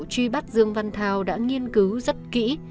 truy bắt dương văn thao đã nghiên cứu rất kỹ